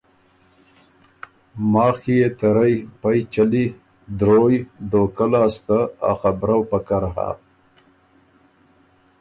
ماخ کی يې ته رئ پئ چلی، درویٛ، دهوکۀ لاسته ا خبرؤ پکر هۀ۔